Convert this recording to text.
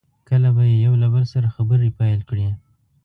کله به یې یو له بل سره خبرې پیل کړې.